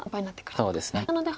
そうですね。